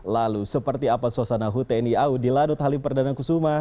lalu seperti apa suasana hutni au di ladut halim perdana kusuma